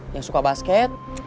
yang suka basket